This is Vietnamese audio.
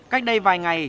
cách đây vài ngày